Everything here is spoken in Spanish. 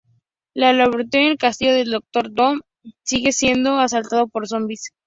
En Latveria, el castillo del Doctor Doom sigue siendo asaltado por zombies.